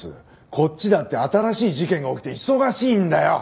こっちだって新しい事件が起きて忙しいんだよ！